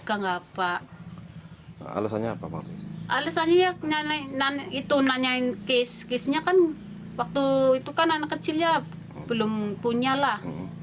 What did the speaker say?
alasannya ya itu nanyain case case nya kan waktu itu kan anak kecil ya belum punya lah